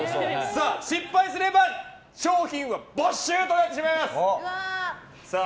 失敗すれば賞品は没収となってしまいます。